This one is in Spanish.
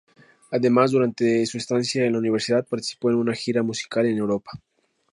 Además, durante su estancia en la universidad, participó en una gira musical en Europa.